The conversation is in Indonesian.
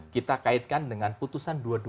kita kaitkan dengan putusan dua puluh dua